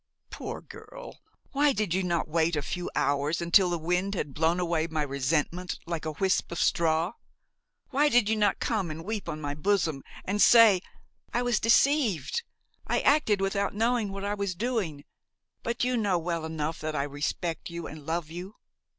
Poor girl! why did you not wait a few hours until the wind had blown away my resentment like a wisp of straw! Why did you not come and weep on my bosom and say: 'I was deceived; I acted without knowing what I was doing, but you know well enough that I respect you and love you!'